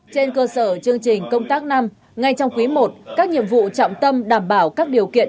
trên cơ sở chương trình công tác năm ngay trong quý i các nhiệm vụ trọng tâm đảm bảo các điều kiện